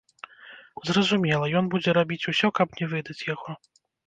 Зразумела, ён будзе рабіць усё, каб не выдаць яго.